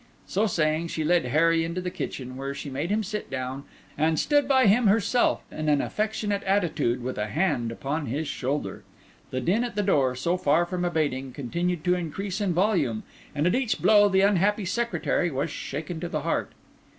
So saying she led Harry into the kitchen, where she made him sit down, and stood by him herself in an affectionate attitude, with a hand upon his shoulder. The din at the door, so far from abating, continued to increase in volume, and at each blow the unhappy secretary was shaken to the heart.